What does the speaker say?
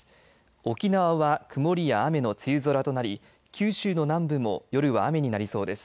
沖縄は曇りや雨の梅雨空となり九州の南部も夜は雨になりそうです。